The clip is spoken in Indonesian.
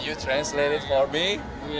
bisa anda beralihkan bagi saya